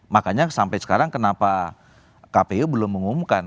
makanya sampai sekarang kenapa kpu belum mengumumkan